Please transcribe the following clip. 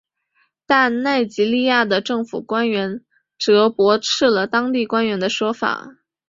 但奈及利亚的政府官员则驳斥了当地官员的说法。